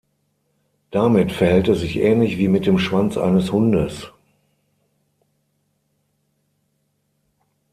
Damit verhält es sich ähnlich wie mit dem Schwanz eines Hundes.